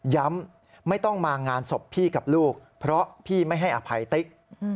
ไม่ต้องมางานศพพี่กับลูกเพราะพี่ไม่ให้อภัยติ๊ก